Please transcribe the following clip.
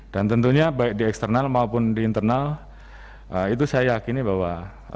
dan tentunya baik di eksternal maupun di internal itu saya yakin bahwa